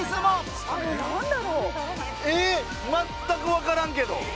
全くわからんけど！